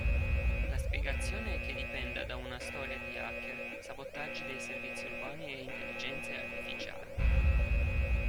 La spiegazione è che dipenda da una storia di hacker, sabotaggi dei servizi urbani e intelligenze artificiali.